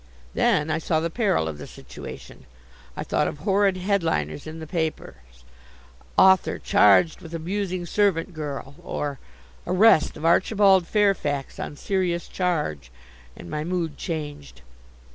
Then I saw the peril of the situation. I thought of horrid headliners in the papers: "Author charged with abusing servant girl," or, "Arrest of Archibald Fairfax on serious charge," and my mood changed.